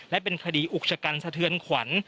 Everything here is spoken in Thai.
และเป็นคดีอุกชะกันสะเทือนขวัญ